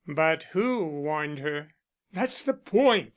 "But who warned her?" "That's the point!"